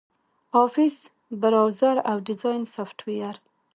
آفس، براوزر، او ډیزاین سافټویر